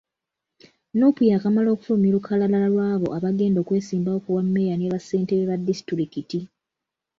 Nuupu yaakamala okufulumya olukalala lw'abo abagenda okwesimbawo ku bwa mmeeya ne bassentebe ba disitulikiti.